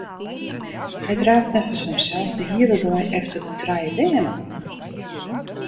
Hy draaft neffens himsels de hiele dei efter de trije bern oan.